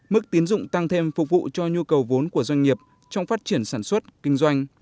mức tiến dụng tăng thêm phục vụ cho nhu cầu vốn của doanh nghiệp trong phát triển sản xuất kinh doanh